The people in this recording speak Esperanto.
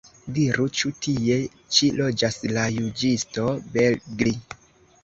Diru, ĉu tie ĉi loĝas la juĝisto Begli?